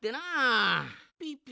ピピ